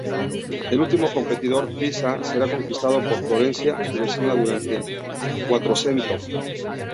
El último competidor, Pisa, será conquistado por Florencia, su vecina, durante el "Quattrocento".